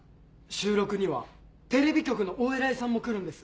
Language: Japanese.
収録にはテレビ局のお偉いさんも来るんです。